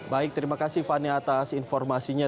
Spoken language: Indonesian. baik terima kasih fani atas informasinya